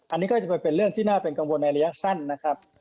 อันนี้ก็จะเป็นเรื่องที่น่าเป็นกังวลในระยะสั้นนะครับ